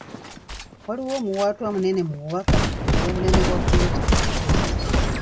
Waliwo omuwaatwa munene mu bubaka olw'obunene bwa pulojekiti.